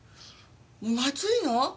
まずいの？